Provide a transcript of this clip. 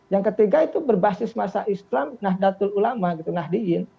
yang ketiga itu berbasis masa islam nahdlatul ulama gitu nahdiyin